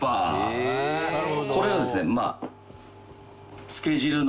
これはですね。